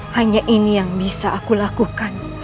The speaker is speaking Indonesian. hanya ini yang bisa aku lakukan